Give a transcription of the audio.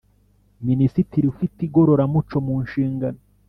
Minisitiri ufite igororamuco mu nshingano